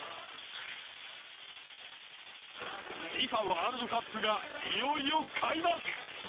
ワールドカップがいよいよ開幕！